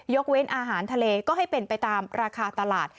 เว้นอาหารทะเลก็ให้เป็นไปตามราคาตลาด